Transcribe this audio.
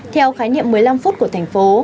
theo khái niệm một mươi năm phút của thành phố